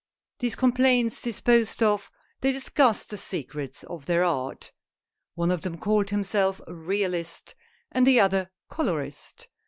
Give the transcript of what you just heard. These complaints disposed of, they discussed the secrets of their art. One of them called himself " realist," and the other "colorist."